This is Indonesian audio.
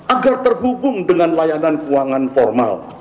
agar terhubung dengan layanan keuangan formal